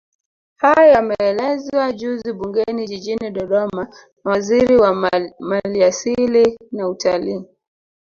Hayo yameelezwa juzi bungeni Jijini Dodoma na Waziri wa Maliasili na Utalii